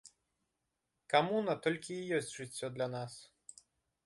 Камуна толькі і ёсць жыццё для нас.